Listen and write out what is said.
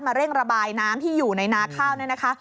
เร่งระบายน้ำที่อยู่ในนาข้าวเนี่ยนะคะ